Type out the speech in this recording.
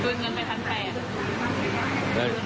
จะไม่ขอส่งลูกสาวผม